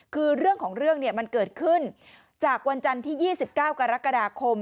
คือเรื่องของเรื่องมันเกิดขึ้นจากวันจันทร์ที่๒๙กรกฎาคม